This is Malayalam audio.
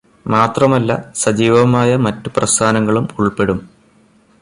മാത്രമല്ല സജീവമായ മറ്റു പ്രസ്ഥാനങ്ങളും ഉൾപ്പെടും.